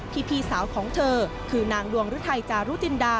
พี่สาวของเธอคือนางดวงฤทัยจารุจินดา